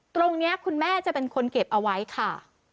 ตรงนี้คุณแม่จะเป็นคนเก็บเอาไว้ค่ะ